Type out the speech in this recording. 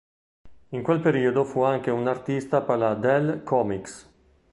In quel periodo fu anche un artista per la Dell Comics.